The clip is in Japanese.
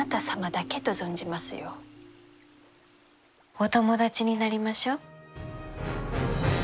お友達になりましょう。